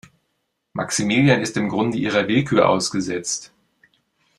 Maximilian ist im Grunde ihrer Willkür ausgesetzt.